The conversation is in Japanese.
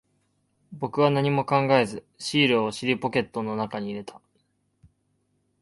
僕は何も考えず、シールを尻ポケットの中に入れた。